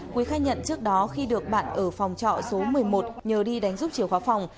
quý khai nhận trước đó khi được bạn ở phòng trọ số một mươi một nhờ đi đánh giúp chìa khóa phòng